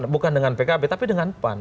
bukan dengan pkb tapi dengan pan